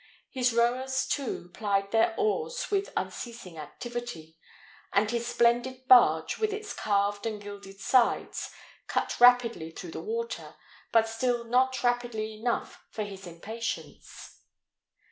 His rowers, too, plied their oars with unceasing activity; and his splendid barge, with its carved and gilded sides, cut rapidly through the water, but still not rapidly enough for his impatience.